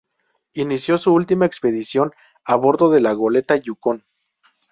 Inició su última expedición a bordo de la goleta Yukon.